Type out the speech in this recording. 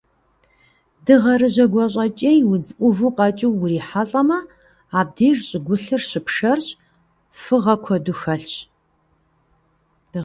Дыгъэрыжьэ гуащӀэкӀей удз Ӏуву къэкӀыу урихьэлӀэмэ, абдеж щӀыгулъыр щыпшэрщ, фыгъэ куэду хэлъщ.